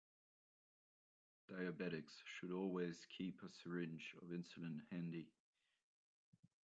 Diabetics should always keep a syringe of insulin handy.